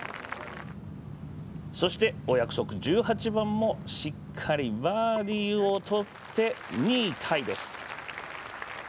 そしてお約束、１８番もしっかりバーディーを取って２位タイです。